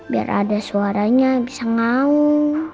biar ada suaranya bisa ngawur